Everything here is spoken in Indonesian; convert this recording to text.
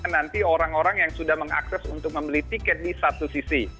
nanti orang orang yang sudah mengakses untuk membeli tiket di satu sisi